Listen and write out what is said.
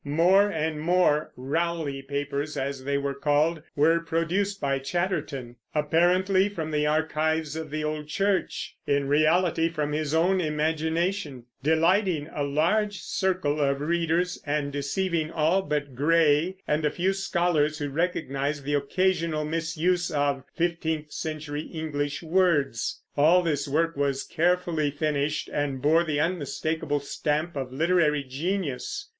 More and more Rowley Papers, as they were called, were produced by Chatterton, apparently from the archives of the old church; in reality from his own imagination, delighting a large circle of readers, and deceiving all but Gray and a few scholars who recognized the occasional misuse of fifteenth century English words. All this work was carefully finished, and bore the unmistakable stamp of literary genius.